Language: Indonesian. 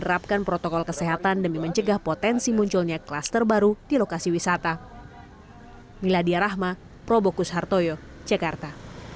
dan juga menerapkan protokol kesehatan demi mencegah potensi munculnya kelas terbaru di lokasi wisata